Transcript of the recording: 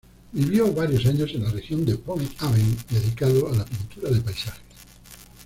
Vivió varios años en la región de Pont-Aven, dedicado a la pintura de paisajes.